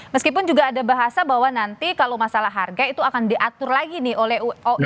meskipun juga ada bahasa bahwa nanti kalau masalah harga itu akan diatur lagi nih oleh